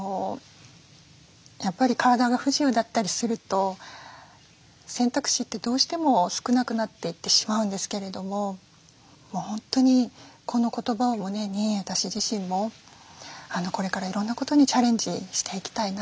やっぱり体が不自由だったりすると選択肢ってどうしても少なくなっていってしまうんですけれども本当にこの言葉を胸に私自身もこれからいろんなことにチャレンジしていきたいな。